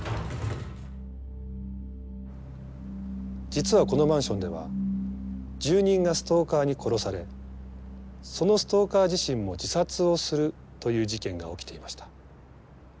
実はこのマンションでは住人がストーカーに殺されそのストーカー自身も自殺をするという事件が起きていました。